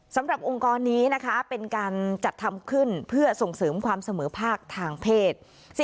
สำหรับองค์กรนี้นะคะเป็นการจัดทำขึ้นเพื่อส่งเสริมความเสมอภาคทางเพศ